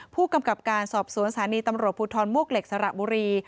ผู้กำกับการสอบสวนสถานีตำรวจภูทรมวกเหล็กสระบุรี